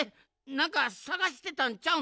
なんかさがしてたんちゃうん？